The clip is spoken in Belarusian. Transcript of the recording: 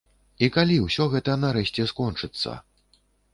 І калі ўсё гэта нарэшце скончыцца?